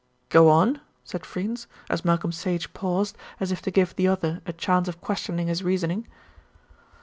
"Go on," said Freynes, as Malcolm Sage paused, as if to give the other a chance of questioning his reasoning.